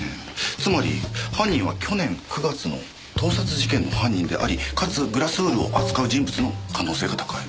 つまり犯人は去年９月の盗撮事件の犯人でありかつグラスウールを扱う人物の可能性が高い。